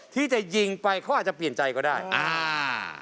ที่จะยิงไปเขาอาจจะเปลี่ยนใจก็ได้อ่า